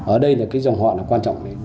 ở đây là cái dòng họ là quan trọng